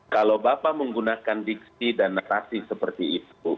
kalau bapak menggunakan diksi dan narasi seperti itu